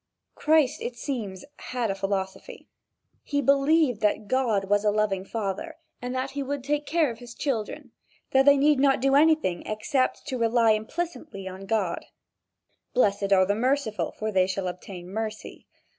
Christ it seems had a philosophy. He believed that God was a loving father, that he would take care of his children, that they need do nothing except to rely implicitly on God. "Blessed are the merciful: for they shall obtain mercy."